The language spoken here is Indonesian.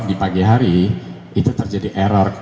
di pagi hari itu terjadi error